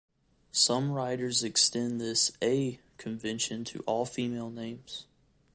Some writers extend this "-a" convention to all female names.